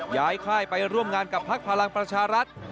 ค่ายไปร่วมงานกับพักพลังประชารัฐ